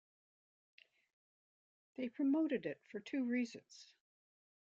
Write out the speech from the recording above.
They promoted it for two reasons.